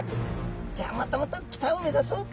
「じゃあもっともっと北を目指そうか」。